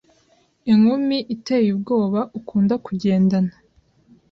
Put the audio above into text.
inkumi iteye ubwoba Ukunda kugendana